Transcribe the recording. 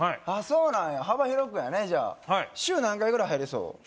ああそうなんや幅広くやねじゃあ週何回ぐらい入れそう？